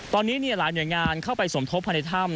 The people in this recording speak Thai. ตอนนี้หลายหน่วยงานเข้าไปสมทบพันธธรรม